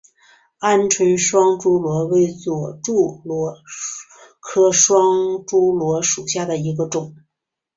鹌鹑双珠螺为左锥螺科双珠螺属下的一个种。